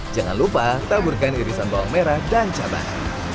jangan lupa taburkan irisan bawang merah dan cabai